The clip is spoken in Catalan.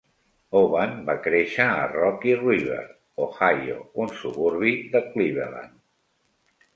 Hovan va créixer a Rocky River, Ohio, un suburbi de Cleveland.